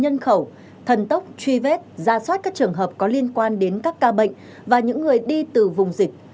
nhân khẩu thần tốc truy vết ra soát các trường hợp có liên quan đến các ca bệnh và những người đi từ vùng dịch